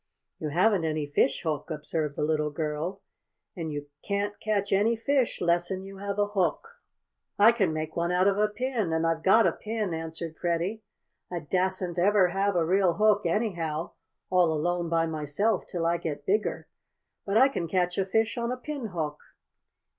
"You haven't any fishhook," observed the little girl; "and you can't catch any fish lessen you have a hook." "I can make one out of a pin, and I've got a pin," answered Freddie. "I dassen't ever have a real hook, anyhow, all alone by myself, till I get bigger. But I can catch a fish on a pin hook."